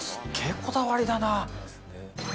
こだわりだな。